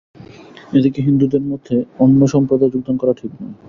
এদিকে হিন্দুদের মতে অন্য সম্প্রদায়ে যোগদান করা ঠিক নয়।